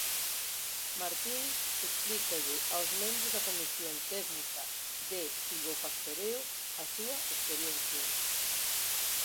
Martín explícalle aos membros da comisión técnica de silvopastoreo a súa experiencia.